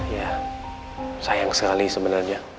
ya sayang sekali sebenarnya